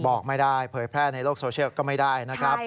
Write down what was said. บอกไม่ได้เผยแพร่ในโลกโซเชียลก็ไม่ได้นะครับ